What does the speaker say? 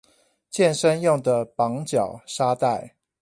健身用的綁腳沙袋